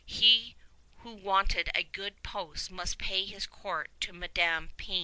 He who wanted a good post must pay his court to Madame Péan.